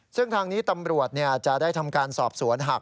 ซึ่งทางนี้ตำรวจจะได้ทำการสอบสวนหาก